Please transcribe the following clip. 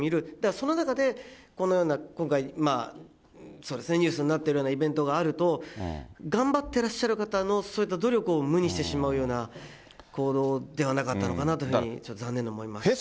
その中でこのような今回、そうですね、ニュースになってるようなイベントがあると、頑張ってらっしゃる方のそういった努力を無にしてしまうような行動ではなかったのかなというふうに残念な思いもあります。